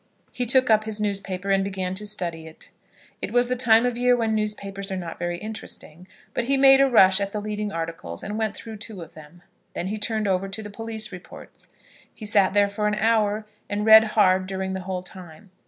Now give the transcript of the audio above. He took up his newspaper, and began to study it. It was the time of the year when newspapers are not very interesting, but he made a rush at the leading articles, and went through two of them. Then he turned over to the police reports. He sat there for an hour, and read hard during the whole time.